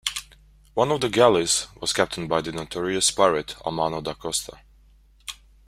One of the galleys was captained by the notorious pirate Alamanno da Costa.